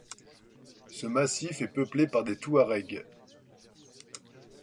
Ce massif est peuplé par des Touaregs.